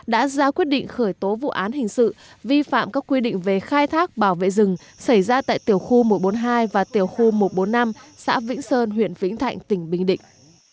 đã ra quyết định khởi tố vụ án hình sự vi phạm các quy định về khai thác bảo vệ rừng xảy ra tại tiểu khu một trăm bốn mươi hai và tiểu khu một trăm bốn mươi năm xã vĩnh sơn huyện vĩnh thạnh tỉnh bình định